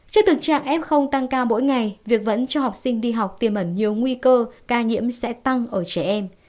trên thực trạng f tăng ca mỗi ngày việc vẫn cho học sinh đi học tiêm ẩn nhiều nguy cơ ca nhiễm sẽ tăng ở trẻ em